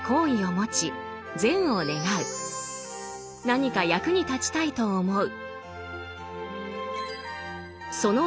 何か役に立ちたいと思う。